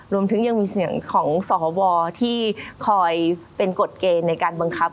รวมถึงยังมีเสียงของสวที่คอยเป็นกฎเกณฑ์ในการบังคับ